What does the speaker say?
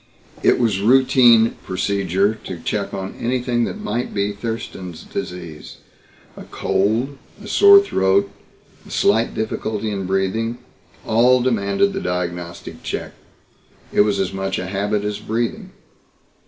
It was routine procedure to check on anything that might be Thurston's Disease. A cold, a sore throat, a slight difficulty in breathing all demanded the diagnostic check. It was as much a habit as breathing.